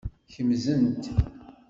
Kemzent.